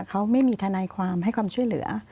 เขาไม่มีทนายความให้ความช่วยเหลือ